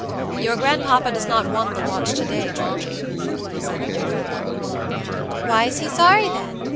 "Your grandpapa does not want the watch to day, Georgey," he said, gravely. "Why is he sorry, then?"